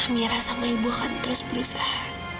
mira sama ibu akan terus berusaha